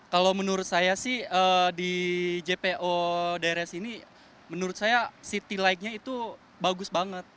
kalau menurut saya sih di jpo daerah sini menurut saya city like nya itu bagus banget